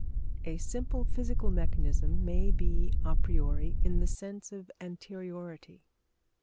A simple physical mechanism may be a priori, in the sense of anteriority.